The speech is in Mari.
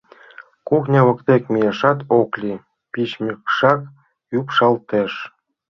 Кухня воктек мияшат ок лий, пичмишак ӱпшалтеш.